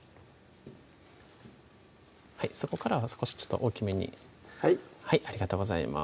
そこからは少し大きめにはいありがとうございます